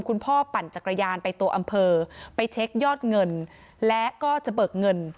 ปั่นจักรยานไปตัวอำเภอไปเช็คยอดเงินและก็จะเบิกเงิน